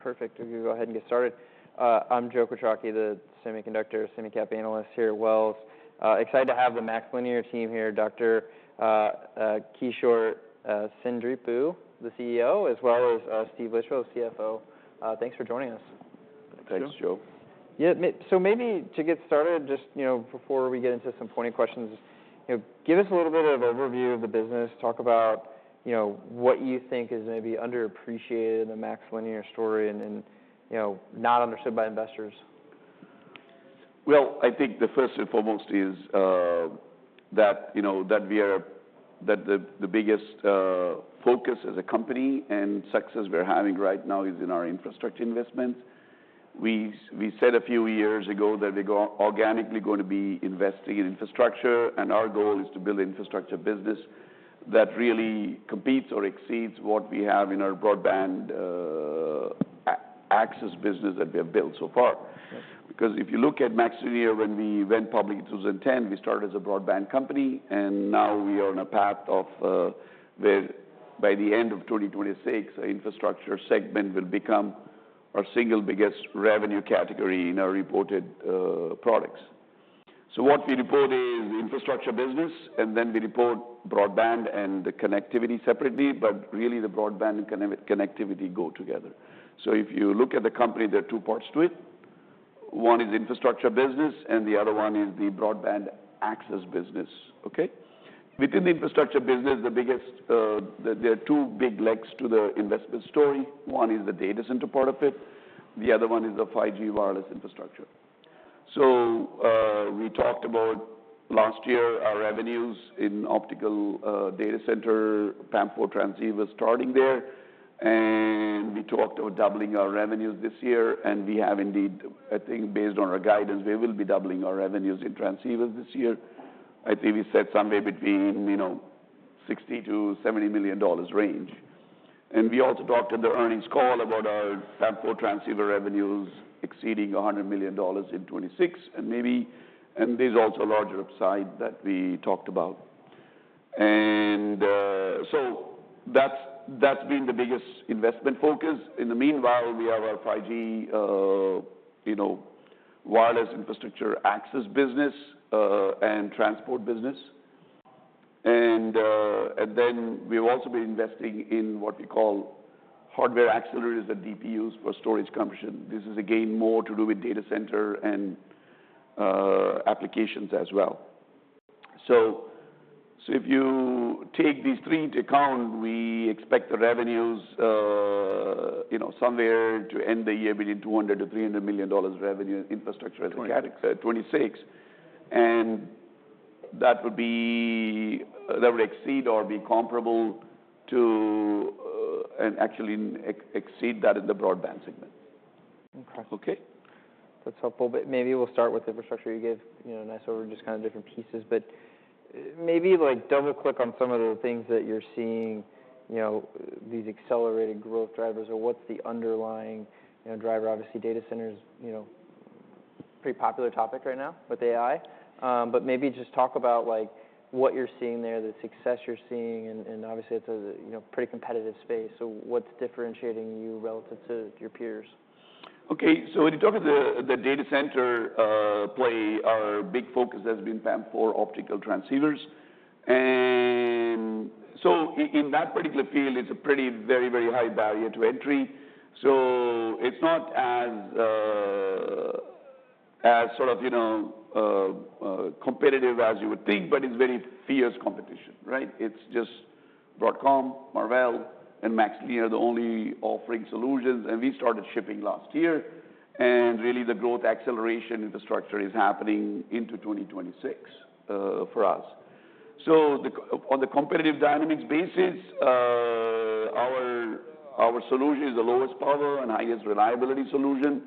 Perfect. We'll go ahead and get started. I'm Joe Kojaki, the semiconductor, semi-cap analyst here at Wells. Excited to have the MaxLinear team here, Dr. Kishore Seendripu, the CEO, as well as Steve Litchfield, CFO. Thanks for joining us. Thanks, Joe. Yeah. Maybe to get started, just, you know, before we get into some pointed questions, you know, give us a little bit of overview of the business, talk about, you know, what you think is maybe underappreciated in the MaxLinear story and, you know, not understood by investors. I think the first and foremost is that, you know, the biggest focus as a company and success we're having right now is in our infrastructure investments. We said a few years ago that we're organically going to be investing in infrastructure, and our goal is to build an infrastructure business that really competes or exceeds what we have in our broadband access business that we have built so far. Because if you look at MaxLinear, when we went public in 2010, we started as a broadband company, and now we are on a path of where by the end of 2026, our infrastructure segment will become our single biggest revenue category in our reported products. What we report is the infrastructure business, and then we report broadband and the connectivity separately, but really the broadband and connectivity go together. If you look at the company, there are two parts to it. One is the infrastructure business, and the other one is the broadband access business, okay? Within the infrastructure business, there are two big legs to the investment story. One is the data center part of it. The other one is the 5G wireless infrastructure. We talked about last year our revenues in optical, data center, PAM4 transceivers, starting there, and we talked about doubling our revenues this year, and we have indeed, I think, based on our guidance, we will be doubling our revenues in transceivers this year. I think we said somewhere between, you know, $60 million-$70 million range. We also talked in the earnings call about our PAM4 transceiver revenues exceeding $100 million in 2026, and maybe and there's also a larger upside that we talked about. That's been the biggest investment focus. In the meanwhile, we have our 5G, you know, wireless infrastructure access business and transport business. Then we've also been investing in what we call hardware accelerators and DPUs for storage compression. This is, again, more to do with data center and applications as well. If you take these three into account, we expect the revenues, you know, somewhere to end the year between $200 million and $300 million revenue in infrastructure as a category. Okay. '2026, and that would be, that would exceed or be comparable to, and actually exceed that in the broadband segment. Impressive. Okay? That's helpful. Maybe we'll start with infrastructure. You gave, you know, a nice overview of just kind of different pieces, but maybe, like, double-click on some of the things that you're seeing, you know, these accelerated growth drivers, or what's the underlying, you know, driver. Obviously, data center's, you know, pretty popular topic right now with AI. Maybe just talk about, like, what you're seeing there, the success you're seeing, and, and obviously, it's a, you know, pretty competitive space. What's differentiating you relative to your peers? Okay. When you talk of the data center play, our big focus has been PAM4 optical transceivers. In that particular field, it's a pretty very, very high barrier to entry. It's not as, as sort of, you know, competitive as you would think, but it's very fierce competition, right? It's just Broadcom, Marvell, and MaxLinear are the only offering solutions, and we started shipping last year. Really, the growth acceleration infrastructure is happening into 2026 for us. On the competitive dynamics basis, our solution is the lowest power and highest reliability solution.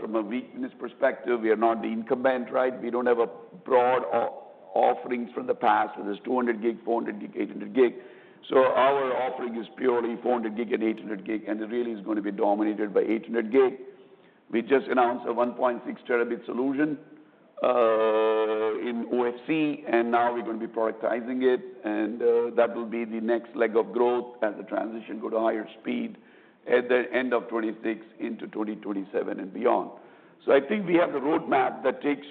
From a weakness perspective, we are not the incumbent, right? We don't have a broad offerings from the past, whether it's 200 gig, 400 gig, 800 gig. Our offering is purely 400 gig and 800 gig, and it really is going to be dominated by 800 gig. We just announced a 1.6 terabit solution, in OFC, and now we're going to be productizing it, and that will be the next leg of growth as the transition go to higher speed at the end of 2026 into 2027 and beyond. I think we have the roadmap that takes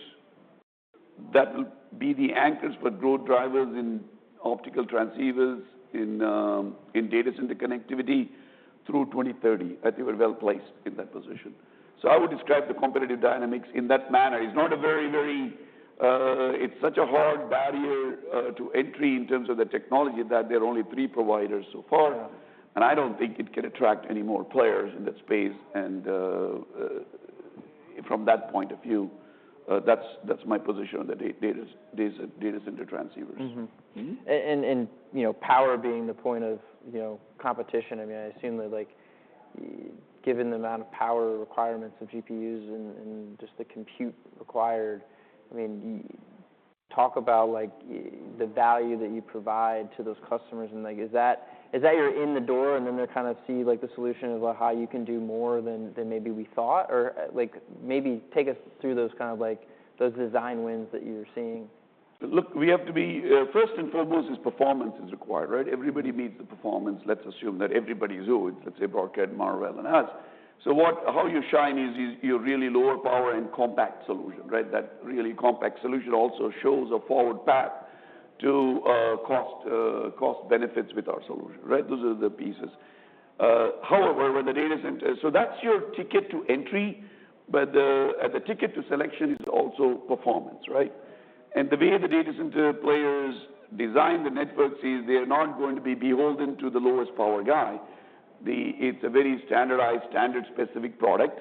that will be the anchors for growth drivers in optical transceivers in, in data center connectivity through 2030. I think we're well placed in that position. I would describe the competitive dynamics in that manner. It's not a very, very it's such a hard barrier to entry in terms of the technology that there are only three providers so far. Yeah. I don't think it can attract any more players in that space, and from that point of view, that's my position on the data center transceivers. Mm-hmm. And, you know, power being the point of, you know, competition, I mean, I assume that, like, given the amount of power requirements of GPUs and, and just the compute required, I mean, you talk about, like, the value that you provide to those customers, and, like, is that you're in the door, and then they kind of see, like, the solution is, like, how you can do more than maybe we thought, or, like, maybe take us through those kind of, like, those design wins that you're seeing. Look, we have to be first and foremost is performance is required, right? Everybody needs the performance. Let's assume that everybody's who it's, let's say, Broadcom, Marvell, and us. What, how you shine is, is you're really lower power and compact solution, right? That really compact solution also shows a forward path to, cost, cost benefits with our solution, right? Those are the pieces. However, when the data center, so that's your ticket to entry, but the, and the ticket to selection is also performance, right? The way the data center players design the networks is they're not going to be beholden to the lowest power guy. It's a very standardized, standard-specific product,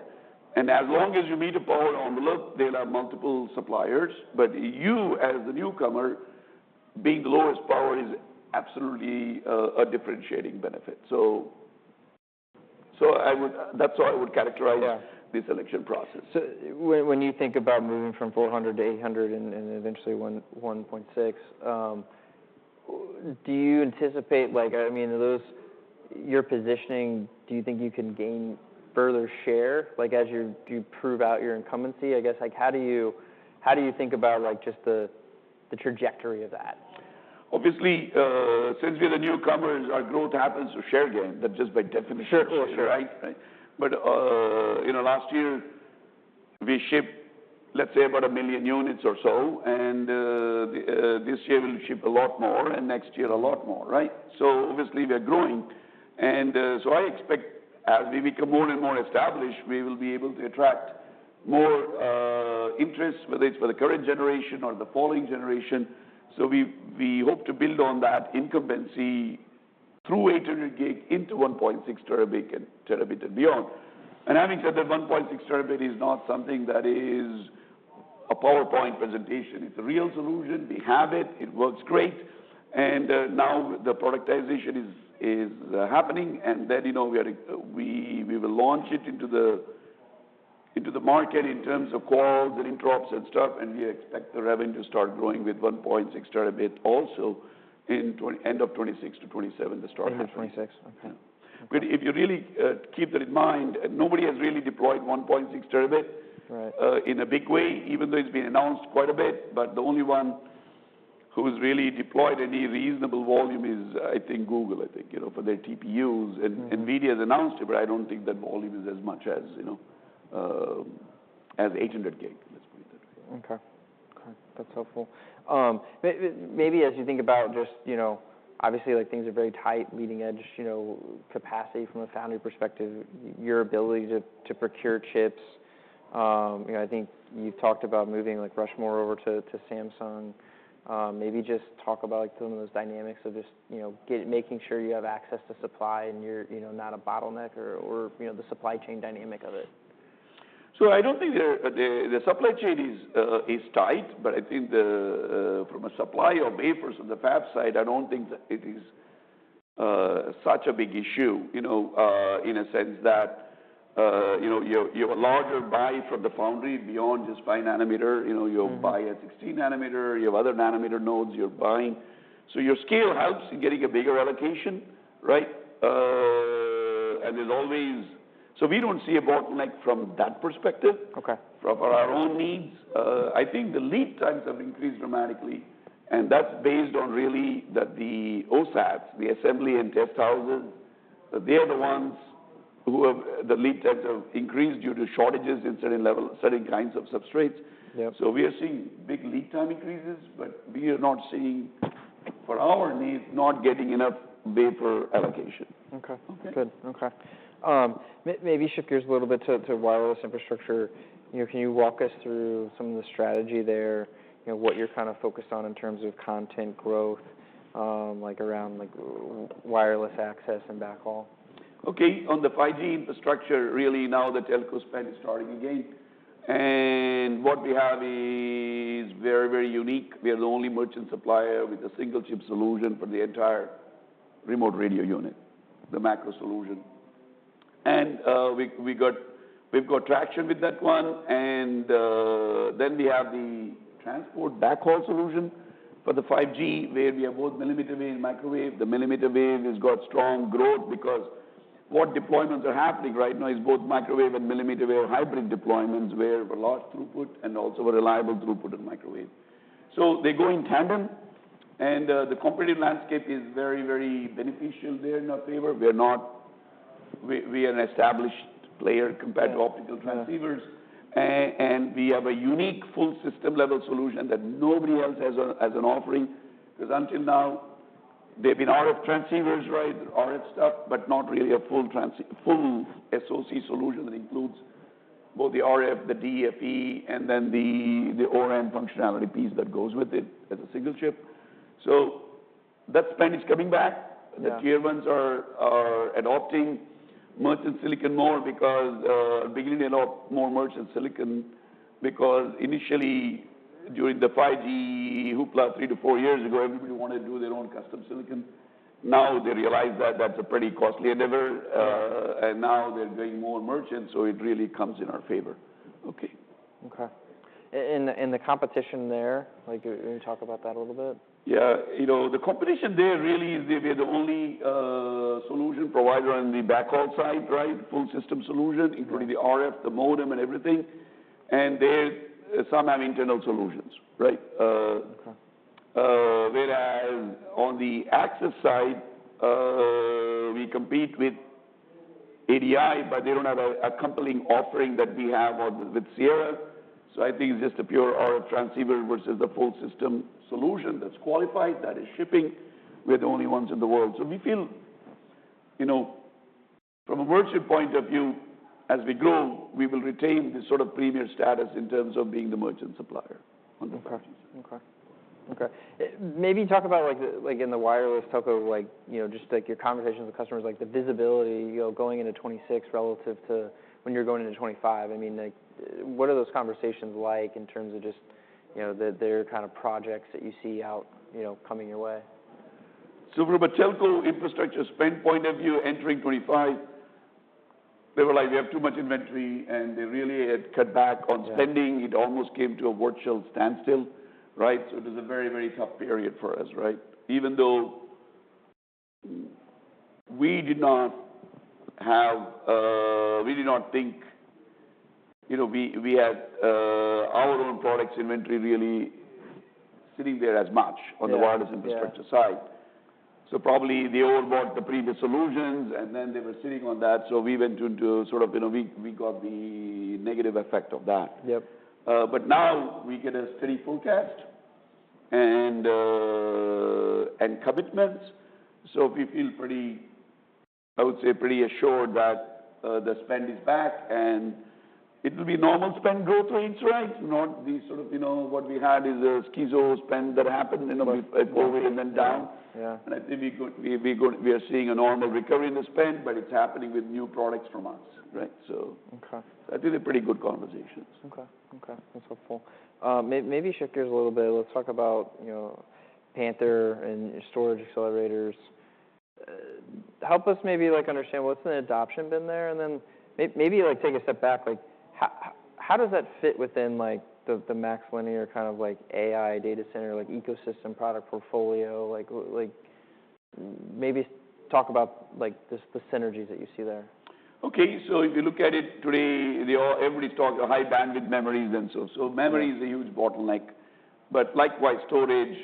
and as long as you meet a power envelope, there are multiple suppliers, but you, as the newcomer, being the lowest power, is absolutely a differentiating benefit. I would, that's how I would characterize. Yeah. The selection process. When you think about moving from 400 to 800 and eventually 1, 1.6, do you anticipate, like, I mean, are those your positioning, do you think you can gain further share, like, as you prove out your incumbency? I guess, like, how do you think about just the trajectory of that? Obviously, since we are the newcomers, our growth happens through share gain. That just by definition. Sure, sure. Right? But, you know, last year, we shipped, let's say, about a million units or so, and this year, we'll ship a lot more, and next year, a lot more, right? Obviously, we are growing, and I expect as we become more and more established, we will be able to attract more interest, whether it's for the current generation or the following generation. We hope to build on that incumbency through 800 gig into 1.6 terabit and terabit and beyond. Having said that, 1.6 terabit is not something that is a PowerPoint presentation. It's a real solution. We have it. It works great. Now the productization is happening, and then, you know, we will launch it into the market in terms of calls and interops and stuff, and we expect the revenue to start growing with 1.6 terabit also in 2026 to 2027, the start of 2026. End of 2026. Okay. Yeah. If you really keep that in mind, nobody has really deployed 1.6 terabit. Right. in a big way, even though it's been announced quite a bit, but the only one who's really deployed any reasonable volume is, I think, Google, I think, you know, for their TPUs, and Nvidia has announced it, but I don't think that volume is as much as, you know, as 800 gig, let's put it that way. Okay. Okay. That's helpful. Maybe as you think about just, you know, obviously, like, things are very tight, leading-edge, you know, capacity from a foundry perspective, your ability to procure chips. You know, I think you've talked about moving, like, Rushmore over to Samsung. Maybe just talk about, like, some of those dynamics of just, you know, making sure you have access to supply and you're, you know, not a bottleneck or, you know, the supply chain dynamic of it. I do not think the supply chain is tight, but I think from a supply of wafers on the fab side, I do not think that it is such a big issue, you know, in a sense that, you know, you are a larger buy from the foundry beyond just 5 nanometer. You will buy a 16 nanometer. You have other nanometer nodes you are buying. So your scale helps in getting a bigger allocation, right? And there is always, so we do not see a bottleneck from that perspective. Okay. From our own needs. I think the lead times have increased dramatically, and that's based on really that the OSATs, the assembly and test houses, they're the ones who have the lead times have increased due to shortages in certain kinds of substrates. Yeah. We are seeing big lead time increases, but we are not seeing, for our needs, not getting enough wafer allocation. Okay. Okay? Good. Okay. Maybe shift gears a little bit to wireless infrastructure. You know, can you walk us through some of the strategy there, you know, what you're kind of focused on in terms of content growth, like, around, like, wireless access and backhaul? Okay. On the 5G infrastructure, really, now that telco spend is starting again, and what we have is very, very unique. We are the only merchant supplier with a single chip solution for the entire remote radio unit, the macro solution. We have got traction with that one, and then we have the transport backhaul solution for the 5G, where we have both millimeter wave and microwave. The millimeter wave has got strong growth because what deployments are happening right now is both microwave and millimeter wave hybrid deployments where we are large throughput and also a reliable throughput in microwave. They go in tandem, and the competitive landscape is very, very beneficial there in our favor. We are an established player compared to optical transceivers, and we have a unique full system-level solution that nobody else has an offering because until now, they've been RF transceivers, right, RF stuff, but not really a full transce full SoCs solution that includes both the RF, the DFE, and then the ORM functionality piece that goes with it as a single chip. That spend is coming back. Okay. The tier ones are adopting merchant silicon more because, beginning to adopt more merchant silicon because initially, during the 5G hoopla three to four years ago, everybody wanted to do their own custom silicon. Now they realize that that's a pretty costly endeavor, and now they're doing more merchant, so it really comes in our favor. Okay. Okay. And the competition there, like, can you talk about that a little bit? Yeah. You know, the competition there really is they're the only solution provider on the backhaul side, right, full system solution, including the RF, the modem, and everything, and some have internal solutions, right? Okay. Whereas on the access side, we compete with ADI, but they do not have an accompanying offering that we have with Sierra. I think it is just a pure RF transceiver versus the full system solution that is qualified, that is shipping. We are the only ones in the world. We feel, you know, from a merchant point of view, as we grow, we will retain this sort of premier status in terms of being the merchant supplier on the front. Okay. Okay. Okay. Maybe talk about, like, in the wireless telco, like, you know, just, like, your conversations with customers, like, the visibility, you know, going into 2026 relative to when you're going into 2025. I mean, like, what are those conversations like in terms of just, you know, the-they're kind of projects that you see out, you know, coming your way? From a telco infrastructure spend point of view, entering 2025, they were like, "We have too much inventory," and they really had cut back on spending. Yeah. It almost came to a virtual standstill, right? It was a very, very tough period for us, right? Even though we did not have, we did not think, you know, we had our own products inventory really sitting there as much on the wireless. Yeah. Infrastructure side. Probably they overbought the previous solutions, and then they were sitting on that, so we went into sort of, you know, we got the negative effect of that. Yep. Now we get a steady forecast and commitments, so we feel pretty, I would say, pretty assured that the spend is back, and it will be normal spend growth rates, right? Not the sort of, you know, what we had is a schizo spend that happened, you know. Yeah. Before we went down. Yeah. I think we are seeing a normal recovery in the spend, but it's happening with new products from us, right? Okay. I think they're pretty good conversations. Okay. Okay. That's helpful. Maybe shift gears a little bit. Let's talk about, you know, Panther and storage accelerators. Help us maybe, like, understand what's the adoption been there, and then maybe, like, take a step back, like, how does that fit within, like, the MaxLinear kind of, like, AI data center, like, ecosystem product portfolio? Like, like, maybe let's talk about, like, the synergies that you see there. Okay. If you look at it today, everybody's talking of high bandwidth memories and so-so memory is a huge bottleneck, but likewise, storage,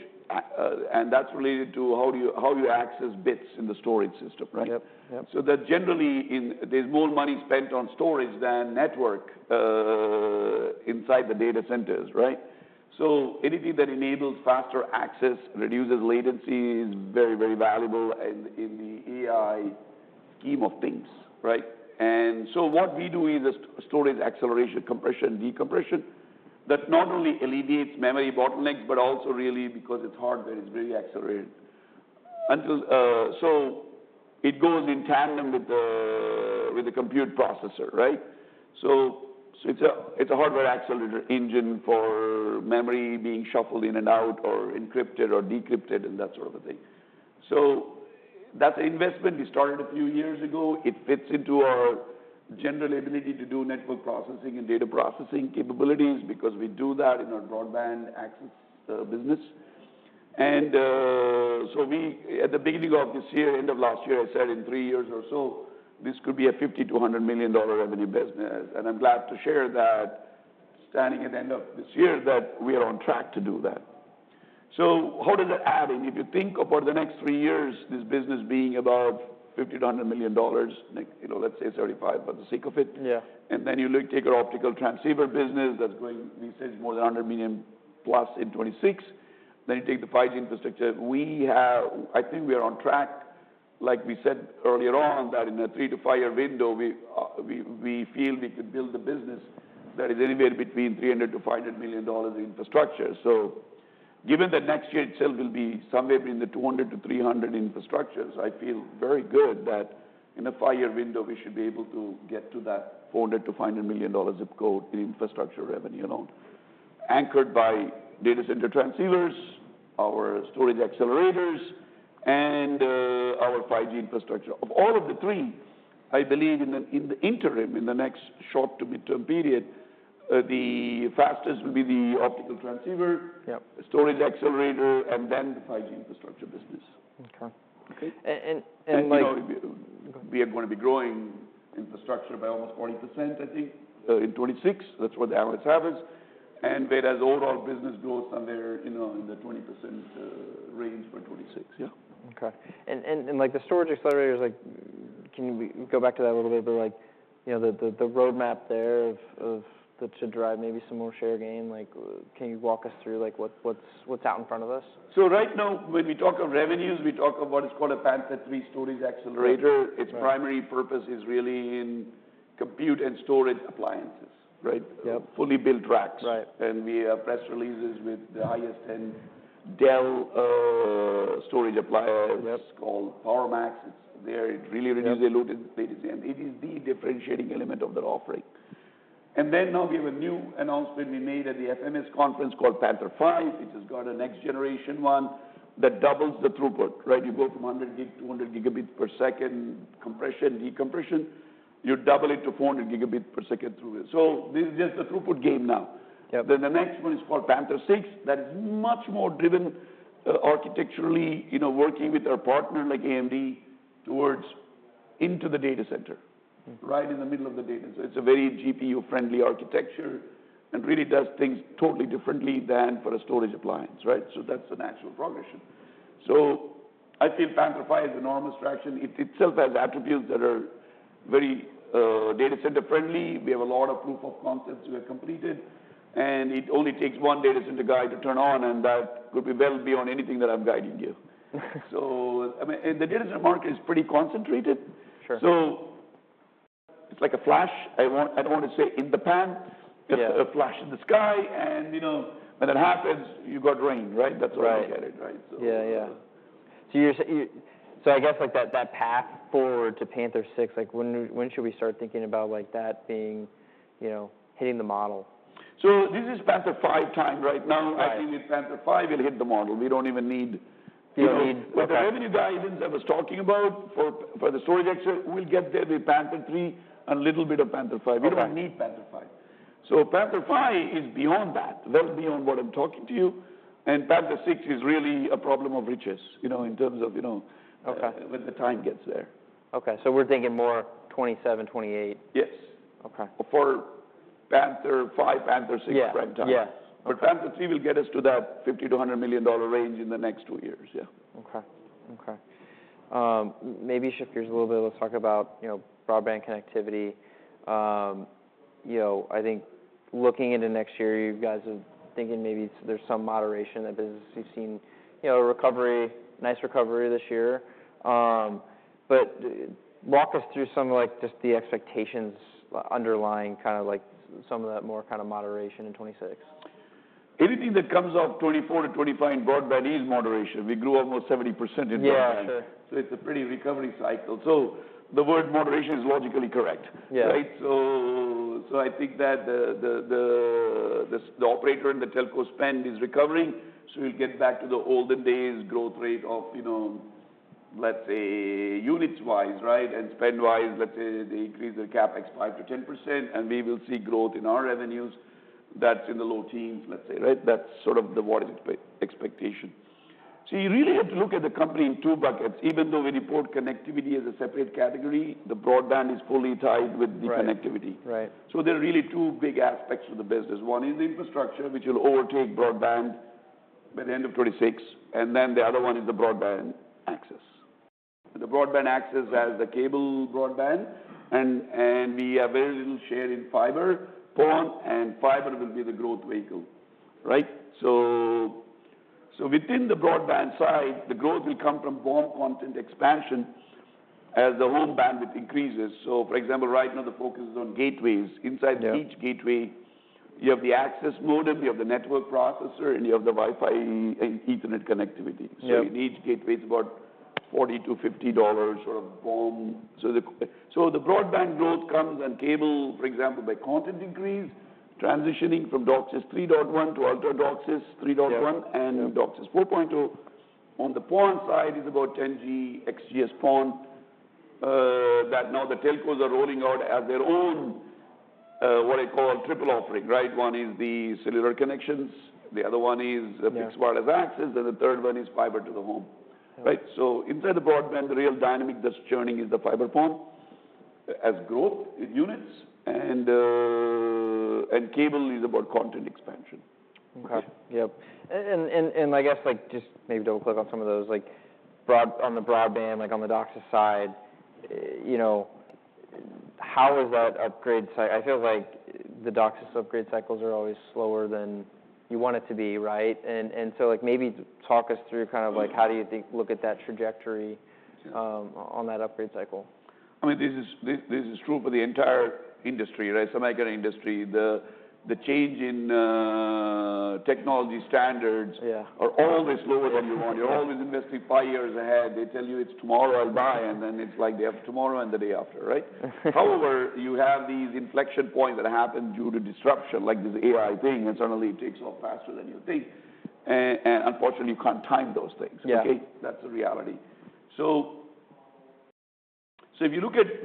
and that's related to how you access bits in the storage system, right? Yep. Yep. That generally, there's more money spent on storage than network inside the data centers, right? Anything that enables faster access, reduces latency is very, very valuable in the AI scheme of things, right? What we do is storage acceleration, compression, decompression that not only alleviates memory bottlenecks but also really because its hardware is very accelerated. It goes in tandem with the compute processor, right? It's a hardware accelerator engine for memory being shuffled in and out or encrypted or decrypted and that sort of a thing. That's an investment we started a few years ago. It fits into our general ability to do network processing and data processing capabilities because we do that in our broadband access business. We at the beginning of this year, end of last year, I said in three years or so, this could be a $50 million-$100 million revenue business, and I'm glad to share that standing at the end of this year that we are on track to do that. How does that add in? If you think over the next three years, this business being about $50 million-$100 million, you know, let's say 35 for the sake of it. Yeah. You look, take our optical transceiver business, that's going, we said more than $100 million plus in 2026. You take the 5G infrastructure. I think we are on track, like we said earlier on, that in a three to five-year window, we feel we could build a business that is anywhere between $300-$500 million in infrastructure. Given that next year itself will be somewhere between the $200-$300 million infrastructures, I feel very good that in a five-year window, we should be able to get to that $400-$500 million zip code in infrastructure revenue alone, anchored by data center transceivers, our storage accelerators, and our 5G infrastructure. Of all of the three, I believe in the interim, in the next short to midterm period, the fastest will be the optical transceiver. Yep. Storage accelerator, and then the 5G infrastructure business. Okay. Okay? And, like. As you know, we are going to be growing infrastructure by almost 40%, I think, in 2026. That's what the analysts have us, and whereas overall business growth, I'm there, you know, in the 20% range for 2026. Yeah. Okay. And, like, the storage accelerators, like, can you go back to that a little bit? Like, you know, the roadmap there of that should drive maybe some more share gain. Like, can you walk us through, like, what's out in front of us? Right now, when we talk of revenues, we talk of what is called a Panther III storage accelerator. Its primary purpose is really in compute and storage appliances, right? Yep. Fully built racks. Right. We have press releases with the highest-end Dell storage appliance. Yep. It's called PowerMax. It's there. It really reduces the loaded latency, and it is the differentiating element of that offering. Now we have a new announcement we made at the FMS conference called Panther V, which has got a next generation one that doubles the throughput, right? You go from 100 gig to 200 gigabits per second compression, decompression. You double it to 400 gigabits per second throughput. This is just the throughput game now. Yep. The next one is called Panther VI. That is much more driven, architecturally, you know, working with our partner like AMD towards into the data center, right in the middle of the data. So it's a very GPU-friendly architecture and really does things totally differently than for a storage appliance, right? That's the natural progression. I feel Panther V has enormous traction. It itself has attributes that are very data center-friendly. We have a lot of proof of concepts we have completed, and it only takes one data center guy to turn on, and that could be well beyond anything that I'm guiding you. I mean, the data center market is pretty concentrated. Sure. So it's like a flash. I want, I don't want to say in the pan. Yeah. It's a flash in the sky, and, you know, when that happens, you got rain, right? That's how I look at it, right? Yeah. Yeah. So you're, so I guess, like, that path forward to Panther VI, like, when should we start thinking about, like, that being, you know, hitting the model? This is Panther V time right now. Okay. I think with Panther V, we'll hit the model. We don't even need, you know. You need the. The revenue guidance I was talking about for the storage access, we'll get there with Panther III and a little bit of Panther V. Okay. We don't need Panther V. Panther V is beyond that, well beyond what I'm talking to you, and Panther VI is really a problem of riches, you know, in terms of, you know. Okay. When the time gets there. Okay. So we're thinking more 2027, 2028? Yes. Okay. For Panther V, Panther VI. Yeah. Prime time. Yeah. Panther III will get us to that $50-$100 million range in the next two years. Yeah. Okay. Okay. Maybe shift gears a little bit. Let's talk about, you know, broadband connectivity. You know, I think looking into next year, you guys are thinking maybe there's some moderation in the business. You've seen, you know, recovery, nice recovery this year. Walk us through some, like, just the expectations underlying kind of, like, some of that more kind of moderation in 2026. Anything that comes out 2024 to 2025 in broadband is moderation. We grew almost 70% in broadband. Yeah. Sure. It's a pretty recovery cycle. The word moderation is logically correct. Yeah. Right? So I think that the operator and the telco spend is recovering, so we'll get back to the olden days growth rate of, you know, let's say units-wise, right, and spend-wise. Let's say they increase their CapEx 5%-10%, and we will see growth in our revenues. That's in the low teens, let's say, right? That's sort of the what is expectation. You really have to look at the company in two buckets. Even though we report connectivity as a separate category, the broadband is fully tied with the connectivity. Right. Right. There are really two big aspects to the business. One is the infrastructure, which will overtake broadband by the end of 2026, and then the other one is the broadband access. The broadband access has the cable broadband, and we have very little share in fiber. Yeah. PON and fiber will be the growth vehicle, right? So within the broadband side, the growth will come from PON content expansion as the home bandwidth increases. For example, right now, the focus is on gateways. Inside each gateway. Yeah. You have the access modem, you have the network processor, and you have the Wi-Fi and Ethernet connectivity. Yeah. In each gateway, it's about $40-$50 sort of PON. The broadband growth comes on cable, for example, by content increase, transitioning from DOCSIS 3.1 to Ultra DOCSIS 3.1. Yeah. DOCSIS 4.0. On the PON side is about 10G XGS PON, that now the telcos are rolling out as their own, what I call triple offering, right? One is the cellular connections. The other one is a fixed wireless access, and the third one is fiber to the home, right? Inside the broadband, the real dynamic that's churning is the fiber PON as growth units, and cable is about content expansion. Okay. Yep. And I guess, like, just maybe double-click on some of those, like, broad on the broadband, like, on the DOCSIS side, you know, how is that upgrade cy? I feel like the DOCSIS upgrade cycles are always slower than you want it to be, right? And, like, maybe talk us through kind of, like, how do you think look at that trajectory, on that upgrade cycle? I mean, this is true for the entire industry, right? Semiconductor industry. The change in technology standards. Yeah. Are always slower than you want. You're always investing five years ahead. They tell you, "It's tomorrow, I'll buy," and then it's like they have tomorrow and the day after, right? However, you have these inflection points that happen due to disruption, like this AI thing, and suddenly it takes off faster than you think. And unfortunately, you can't time those things. Yeah. Okay? That's the reality. If you look at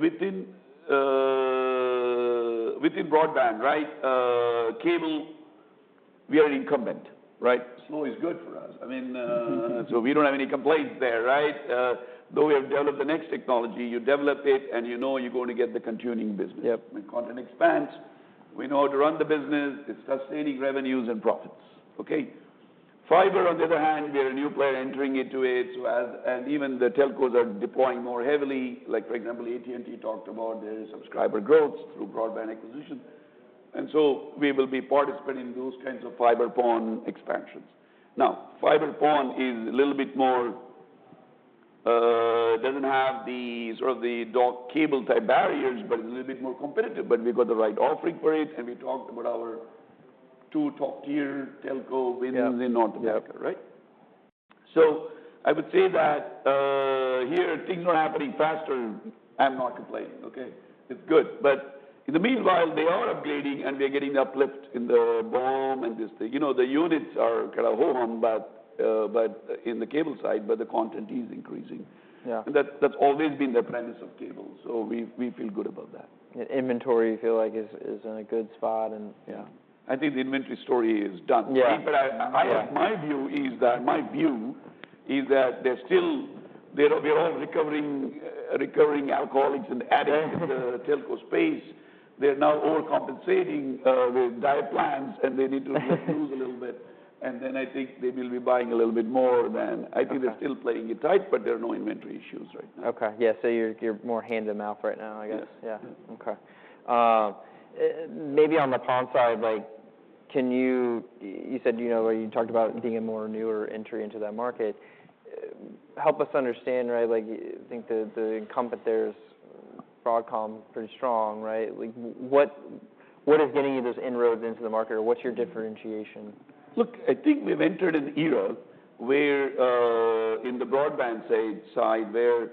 within broadband, right, cable, we are an incumbent, right? Slow is good for us. I mean, we don't have any complaints there, right? Though we have developed the next technology, you develop it, and you know you're going to get the continuing business. Yep. When content expands, we know how to run the business. It's sustaining revenues and profits, okay? Fiber, on the other hand, we are a new player entering into it, so as and even the telcos are deploying more heavily. Like, for example, AT&T talked about their subscriber growth through broadband acquisition, and we will be participating in those kinds of fiber PON expansions. Now, fiber PON is a little bit more, does not have the sort of the dock cable-type barriers, but it's a little bit more competitive. We got the right offering for it, and we talked about our two top-tier telco wins in North America. Yeah. Right? I would say that, here, things are happening faster. I'm not complaining, okay? It's good. In the meanwhile, they are upgrading, and we are getting uplift in the BOM and this thing. You know, the units are kind of ho-hum in the cable side, but the content is increasing. Yeah. That's always been the premise of cable, so we feel good about that. Inventory, you feel like, is in a good spot, and yeah. I think the inventory story is done. Yeah. See, my view is that they're still all recovering alcoholics and addicts in the telco space. They're now overcompensating with diet plans, and they need to reduce a little bit. I think they will be buying a little bit more. I think they're still playing it tight, but there are no inventory issues right now. Okay. Yeah. So you're more hand-to-mouth right now, I guess. Yes. Yeah. Okay. Maybe on the PON side, like, can you—you said, you know, where you talked about being a more newer entry into that market. Help us understand, right, like, you think the incumbent there is Broadcom pretty strong, right? Like, what is getting you those inroads into the market, or what's your differentiation? Look, I think we've entered an era where, in the broadband side where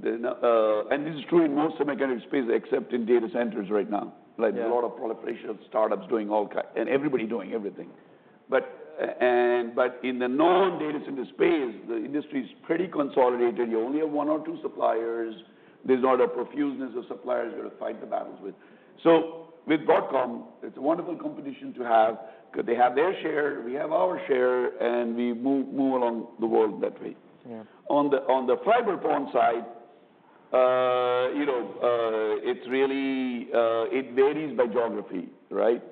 the, and this is true in most semiconductor space except in data centers right now. Yeah. Like, a lot of proliferation of startups doing all kind and everybody doing everything. In the non-data center space, the industry is pretty consolidated. You only have one or two suppliers. There's not a profuseness of suppliers you've got to fight the battles with. With Broadcom, it's a wonderful competition to have because they have their share, we have our share, and we move along the world that way. Yeah. On the fiber PON side, you know, it really varies by geography, right?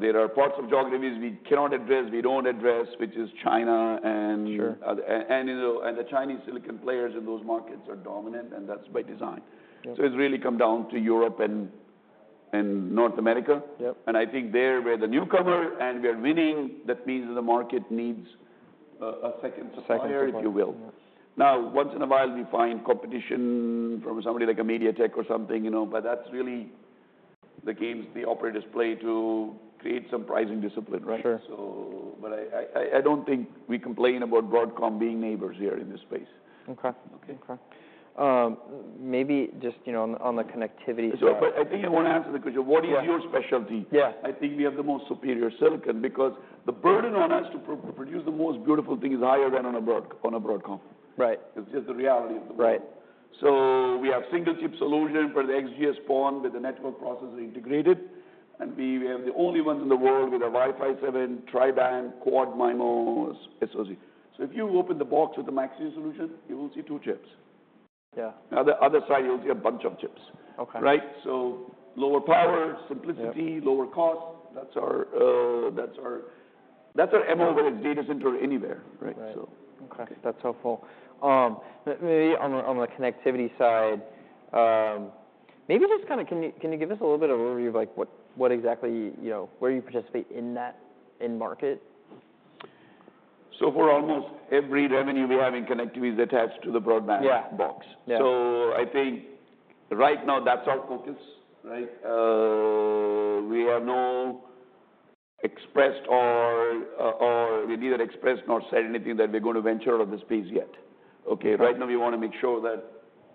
There are parts of geographies we cannot address, we do not address, which is China. Sure. You know, and the Chinese silicon players in those markets are dominant, and that's by design. Yeah. It's really come down to Europe and North America. Yep. I think there, we're the newcomer, and we are winning. That means the market needs a second supplier, if you will. Second supplier. Yeah. Now, once in a while, we find competition from somebody like MediaTek or something, you know, but that's really the games the operators play to create some pricing discipline, right? Sure. I don't think we complain about Broadcom being neighbors here in this space. Okay. Okay? Okay. Maybe just, you know, on the connectivity side. I think I want to answer the question. Yeah. What is your specialty? Yeah. I think we have the most superior silicon because the burden on us to produce the most beautiful thing is higher than on a Broadcom. Right. It's just the reality of the world. Right. We have single-chip solution for the XGS-PON with the network processor integrated, and we are the only ones in the world with a Wi-Fi 7 tri-band quad MIMO associate. If you open the box with the MaxStream solution, you will see two chips. Yeah. On the other side, you'll see a bunch of chips. Okay. Right? Lower power, simplicity, lower cost. That's our, that's our MO when it's data center anywhere, right? Right. So. Okay. That's helpful. Maybe on the, on the connectivity side, maybe just kind of, can you, can you give us a little bit of overview of, like, what, what exactly, you know, where you participate in that in market For almost every revenue we have in connectivity is attached to the broadband. Yeah. Box. Yeah. I think right now, that's our focus, right? We have neither expressed nor said anything that we're going to venture out of the space yet, okay? Right. Right now, we want to make sure that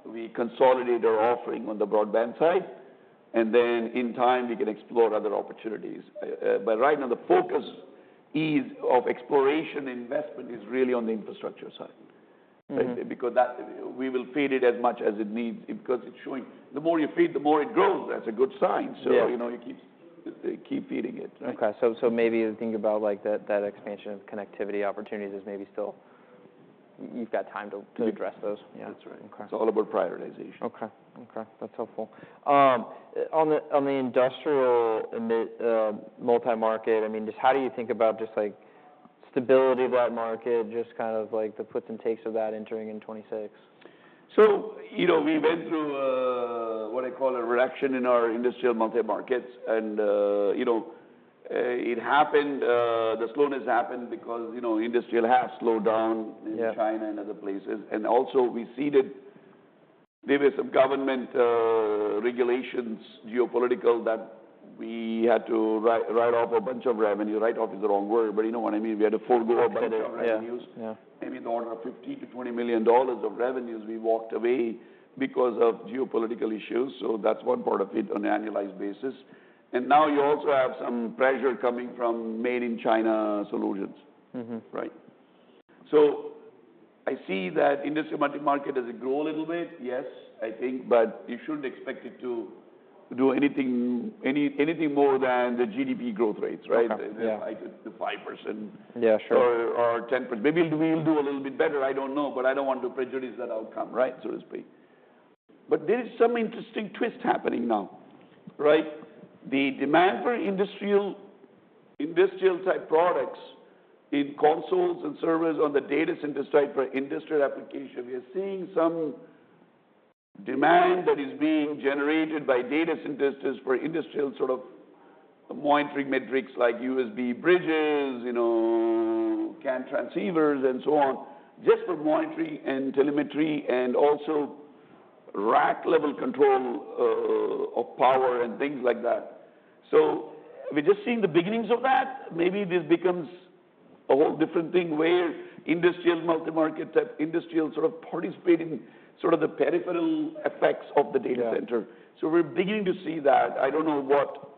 we consolidate our offering on the broadband side, and then in time, we can explore other opportunities. Right now, the focus of exploration investment is really on the infrastructure side, right? Mm-hmm. Because that we will feed it as much as it needs because it's showing the more you feed, the more it grows. That's a good sign. Yeah. You know, you keep feeding it, right? Okay. Maybe the thing about, like, that expansion of connectivity opportunities is maybe still you've got time to address those. Yeah. Yeah. That's right. Okay. It's all about prioritization. Okay. Okay. That's helpful. On the industrial EMI multi-market, I mean, just how do you think about just, like, stability of that market, just kind of, like, the puts and takes of that entering in 2026? You know, we went through, what I call a reduction in our industrial multi-markets, and, you know, it happened, the slowness happened because, you know, industrial has slowed down in. Yeah. China and other places. Also, we seeded there were some government regulations, geopolitical, that we had to write, write off a bunch of revenue. Write off is the wrong word, but you know what I mean? We had to forego a bunch of revenues. Yeah. Yeah. With the order of $15 million-$20 million of revenues, we walked away because of geopolitical issues. That is one part of it on an annualized basis. Now you also have some pressure coming from made-in-China solutions. Mm-hmm. Right? I see that industry multi-market does grow a little bit, yes, I think, but you shouldn't expect it to do anything more than the GDP growth rates, right? Yeah. The 5%. Yeah. Sure. Or 10%. Maybe we'll do, we'll do a little bit better. I don't know, but I don't want to prejudice that outcome, right, so to speak. There is some interesting twist happening now, right? The demand for industrial, industrial-type products in consoles and servers on the data center side for industrial application, we are seeing some demand that is being generated by data centers for industrial sort of monitoring metrics like USB bridges, you know, CAN transceivers, and so on, just for monitoring and telemetry and also rack-level control of power and things like that. We're just seeing the beginnings of that. Maybe this becomes a whole different thing where industrial multi-market type industrial sort of participate in sort of the peripheral effects of the data center. Yeah. We're beginning to see that. I don't know what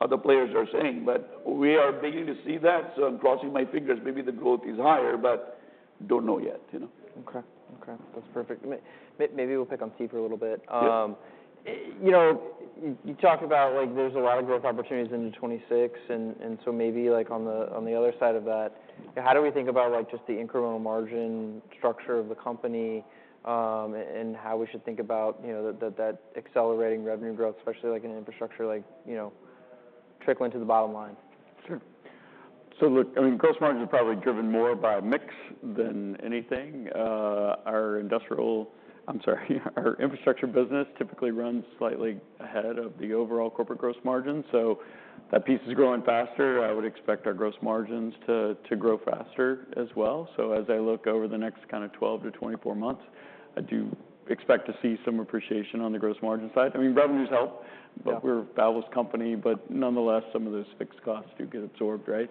other players are saying, but we are beginning to see that. I'm crossing my fingers. Maybe the growth is higher, but don't know yet, you know? Okay. Okay. That's perfect. Maybe we'll pick on Steve for a little bit. Yeah. You know, you talked about, like, there's a lot of growth opportunities into 2026, and so maybe, like, on the other side of that, how do we think about, like, just the incremental margin structure of the company, and how we should think about, you know, that accelerating revenue growth, especially, like, in infrastructure, like, you know, trickling to the bottom line? Sure. Look, I mean, gross margin is probably driven more by mix than anything. Our infrastructure business typically runs slightly ahead of the overall corporate gross margin. That piece is growing faster. I would expect our gross margins to grow faster as well. As I look over the next kind of 12months to 24 months, I do expect to see some appreciation on the gross margin side. I mean, revenues help, but we're a fabless company. Nonetheless, some of those fixed costs do get absorbed, right?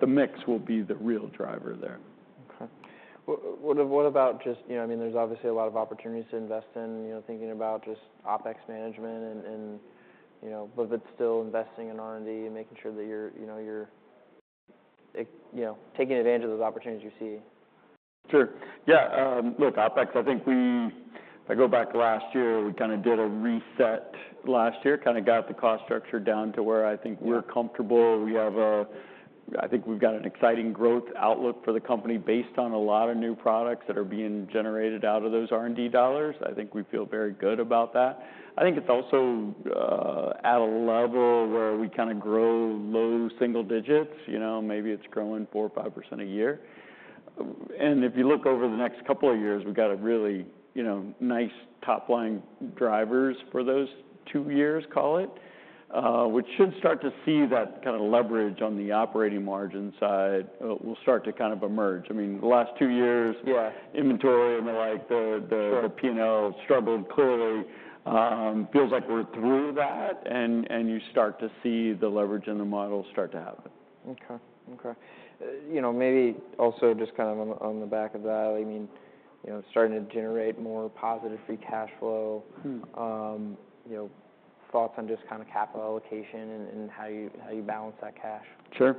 The mix will be the real driver there. Okay. What about just, you know, I mean, there's obviously a lot of opportunities to invest in, you know, thinking about just OpEx management and, you know, but still investing in R&D and making sure that you're, you know, taking advantage of those opportunities you see? Sure. Yeah. Look, OpEx, I think if I go back last year, we kind of did a reset last year, kind of got the cost structure down to where I think we're comfortable. We have a, I think we've got an exciting growth outlook for the company based on a lot of new products that are being generated out of those R&D dollars. I think we feel very good about that. I think it's also at a level where we kind of grow low single digits, you know? Maybe it's growing 4% or 5% a year. And if you look over the next couple of years, we've got a really, you know, nice top-line drivers for those two years, call it, which should start to see that kind of leverage on the operating margin side, will start to kind of emerge. I mean, the last two years. Yeah. Inventory and the like. Sure. The P&L struggled clearly. Feels like we're through that, and you start to see the leverage in the model start to happen. Okay. Okay. You know, maybe also just kind of on the, on the back of that, I mean, you know, starting to generate more positive free cash flow. You know, thoughts on just kind of capital allocation and how you, how you balance that cash? Sure.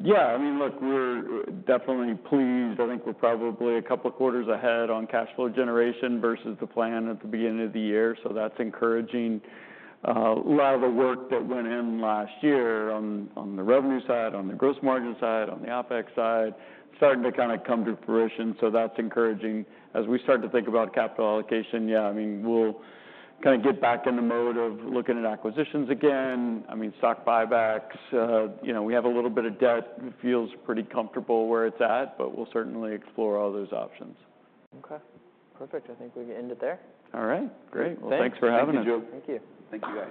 Yeah. I mean, look, we're definitely pleased. I think we're probably a couple of quarters ahead on cash flow generation versus the plan at the beginning of the year, so that's encouraging. A lot of the work that went in last year on the revenue side, on the gross margin side, on the OpEx side, starting to kind of come to fruition. That's encouraging. As we start to think about capital allocation, yeah, I mean, we'll kind of get back in the mode of looking at acquisitions again. I mean, stock buybacks, you know, we have a little bit of debt. It feels pretty comfortable where it's at, but we'll certainly explore all those options. Okay. Perfect. I think we've ended there. All right. Great. Thanks. Thanks for having us. Thank you. Thank you.